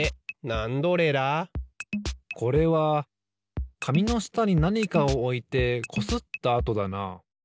これは紙の下になにかをおいてこすった跡だな。